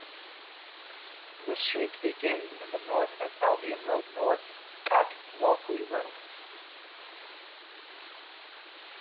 The street begins in the north as Albion Road North, at Walkley Road.